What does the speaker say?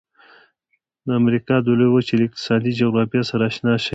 د امریکا د لویې وچې له اقتصادي جغرافیې سره آشنا شئ.